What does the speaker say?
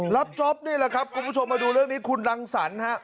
รับจอพอร์นี่ล่ะครับกุญชมหาดูหลังศร